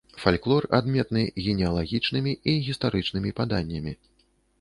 Фальклор адметны генеалагічнымі і гістарычнымі паданнямі.